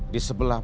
di sebelah kota